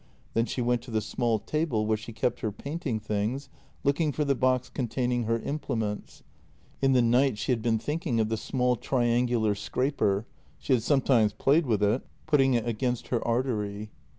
Then she went to the small table where she kept her painting things, looking for the box containing her implements. In the night she had been thinking of the small triangular scraper, — she had sometimes played with it, putting it against her artery.